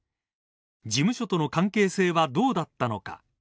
事務所との関係性はどうだったのか。